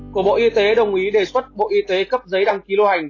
của bộ y tế đồng ý đề xuất bộ y tế cấp giấy đăng ký lưu hành